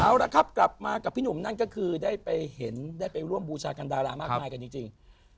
เอาละครับกลับมากับพี่หนุ่มนั่นก็คือได้ไปเห็นได้ไปร่วมบูชากันดารามากมายกันจริง